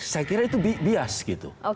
saya kira itu bias gitu